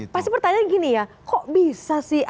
pasti pertanyaan gini ya kok bisa sih